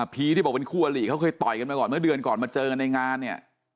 ที่บอกเป็นคู่อลิเขาเคยต่อยกันมาก่อนเมื่อเดือนก่อนมาเจอกันในงานเนี่ย